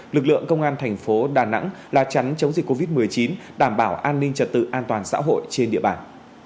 lực lượng công an thành phố đà nẵng la chắn chống dịch covid một mươi chín đảm bảo an ninh trật tự an toàn xã hội trên địa bàn